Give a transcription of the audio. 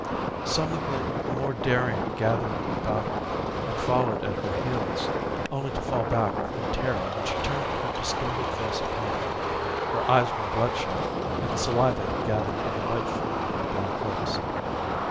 Some of the more daring gathered about her, and followed at her heels, only to fall back with new terror when she turned her distorted face upon them. Her eyes were bloodshot and the saliva had gathered in a white foam on her black lips.